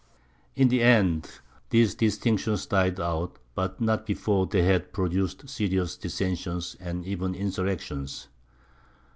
In the end these distinctions died out, but not before they had produced serious dissensions and even insurrections.